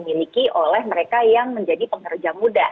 memiliki oleh mereka yang menjadi pengerja muda